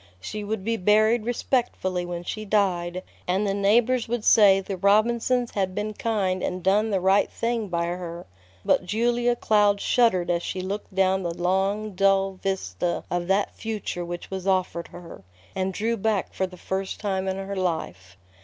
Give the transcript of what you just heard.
She would be buried respectably when she died, and the neighbors would say the Robinsons had been kind and done the right thing by her; but Julia Cloud shuddered as she looked down the long, dull vista of that future which was offered her, and drew back for the first time in her life.